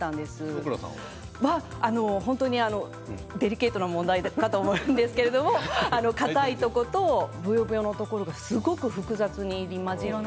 坪倉さんは本当にデリケートな問題かと思うんですけれどかたいところと、ブヨブヨのところとすごく複雑に入り混じっていて。